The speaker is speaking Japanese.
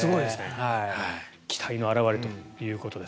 期待の表れということです。